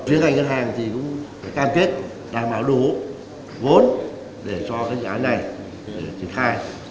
chuyên ngành ngân hàng thì cũng cam kết đảm bảo đủ vốn để cho cái dự án này được triển khai